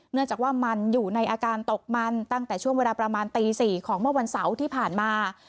เนื่องจากว่ามันอยู่ในอาการตกมันตั้งแต่ช่วงเวลาประมาณตี๔ของเมื่อวันเสาร์ที่ผ่านมา